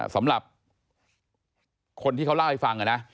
สำหรับคนที่เขาเล่าให้ฟังนะ